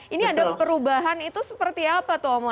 ini ada perubahan itu seperti apa tuh omo